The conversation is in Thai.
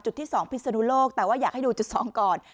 จุดที่สองพิสนุโลกแต่ว่าอยากให้ดูจุดสองก่อน